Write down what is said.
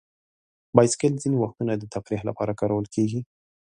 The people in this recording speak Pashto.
بایسکل ځینې وختونه د تفریح لپاره کارول کېږي.